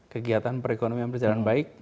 kegiatan perekonomian berjalan baik